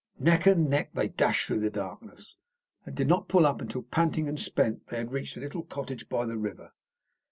Neck and neck they dashed through the darkness, and did not pull up until, panting and spent, they had reached the little cottage by the river.